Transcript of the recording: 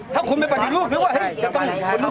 ถ้าคุณเป็นปฏิรูปจะต้องคุณรู้๓๔ข้อ